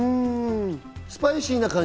スパイシーな感じ？